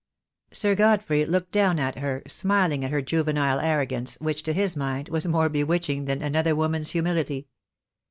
Sir Godfrey looked down at her, smiling at her juvenile arrogance, which, to his mind, was more bewitch ing than another woman's humility.